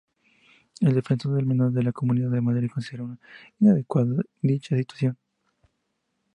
El Defensor del Menor de la Comunidad de Madrid consideró inadecuada dicha situación.